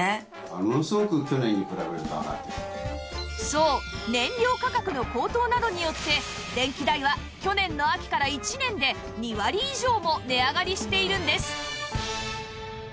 そう燃料価格の高騰などによって電気代は去年の秋から１年で２割以上も値上がりしているんです